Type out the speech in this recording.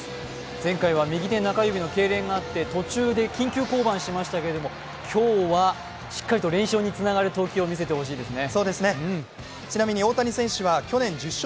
前回は右手中指のけいれんがあって、途中で緊急降板しましたけど、今日はしっかりと連勝につながるピッチングを見せてほしいですね。